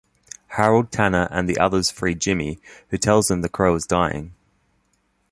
Harold, Tanner, and the others free Jimmy, who tells them the crow is dying.